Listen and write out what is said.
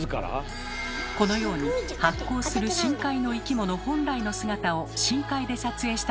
このように発光する深海の生き物本来の姿を深海で撮影したのはＮＨＫのカメラが世界初。